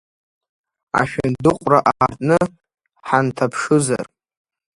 Ашәындыҟәра аартны ҳанҭаԥшызар…